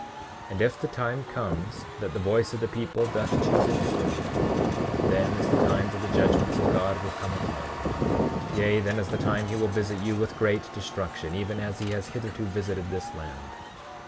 29:27 And if the time comes that the voice of the people doth choose iniquity, then is the time that the judgments of God will come upon you; yea, then is the time he will visit you with great destruction even as he has hitherto visited this land.